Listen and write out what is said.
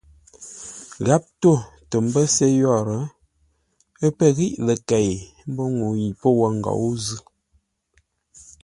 Gháp tó tə mbə́ se yórə́, ə́ pə̂ ghíʼ ləkei mbó ŋuu yi pə́ wo ngǒu zʉ́.